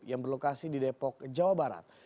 yang berlokasi di depok jawa barat